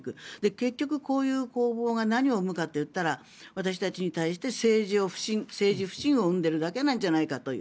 結局、こういう攻防が何を生むかと言ったら私たちに対して政治不信を生んでいるだけじゃないかという。